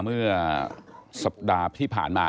เมื่อสัปดาห์ที่ผ่านมา